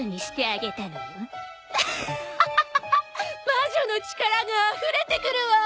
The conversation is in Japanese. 魔女の力があふれてくるわ！